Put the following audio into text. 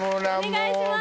お願いします！